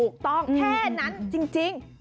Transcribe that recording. แค่นั้นจริง